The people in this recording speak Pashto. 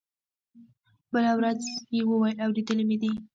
بله ورځ يې وويل اورېدلي مې دي.